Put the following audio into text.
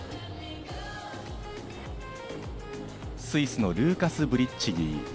スイスのルーカス・ブリッチギー。